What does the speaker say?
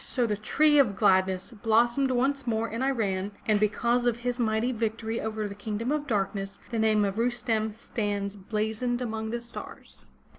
So the tree of gladness blossomed once more in Iran, and because of his mighty victory over the Kingdom of Darkness the name of Rustem stands blazoned among the stars.